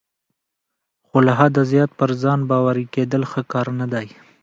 خو له حده زیات پر ځان باوري کیدل ښه کار نه دی.